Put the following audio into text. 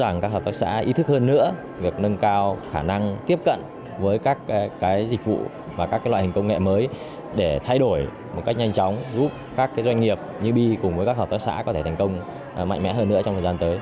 như bi cùng với các hợp tác xã có thể thành công mạnh mẽ hơn nữa trong thời gian tới